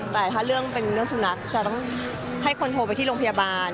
แต่ถ้าเรื่องเป็นเรื่องสุนัขจะต้องให้คนโทรไปที่โรงพยาบาล